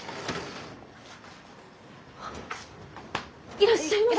いらっしゃいませ。